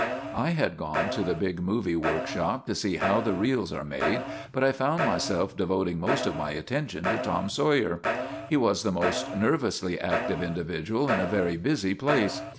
I had gone to the big movie workshop to see how the reels are made, but I found myself devoting most of my attention to Tom Sawyer. He was the most nervously active individual in a very busy place.